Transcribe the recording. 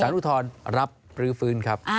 ศาลุ่ทรรับรื้อฟื้นครับ